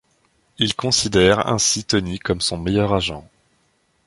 Il considère ainsi Tony comme son meilleur agent.